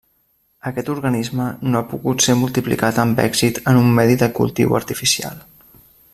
Aquest organisme no ha pogut ser multiplicat amb èxit en un medi de cultiu artificial.